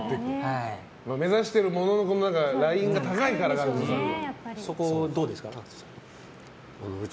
目指しているもののラインが高いからでしょうね。